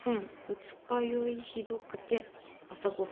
二日酔いひどくて朝ごはん